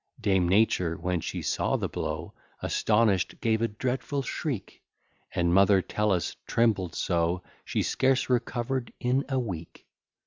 Dame Nature, when she saw the blow, Astonish'd gave a dreadful shriek; And mother Tellus trembled so, She scarce recover'd in a week.